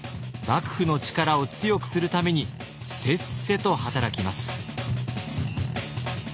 幕府の力を強くするためにせっせと働きます。